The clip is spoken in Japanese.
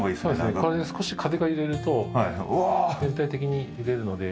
これで少し風が揺れると全体的に揺れるので。